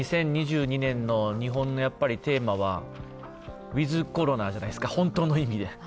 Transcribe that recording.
２０２２年の日本のテーマはウィズ・コロナじゃないですか、本当の意味で。